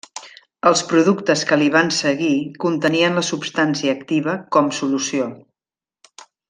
Els productes que li van seguir contenien la substància activa com solució.